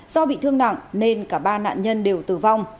do bị thương nặng nên cả ba nạn nhân đều tử vong